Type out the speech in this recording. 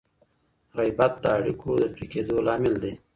غيبت د اړيکو د پرې کېدو لامل دی.